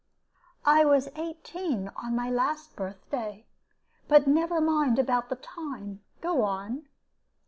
"I was eighteen on my last birthday. But never mind about the time go on."